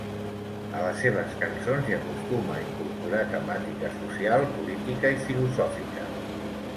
A les seves cançons hi acostuma a incorporar temàtica social, política i filosòfica.